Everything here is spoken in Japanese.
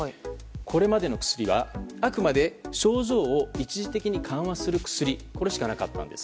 これまでの薬はあくまで症状を一時的に緩和する薬しかなかったんです。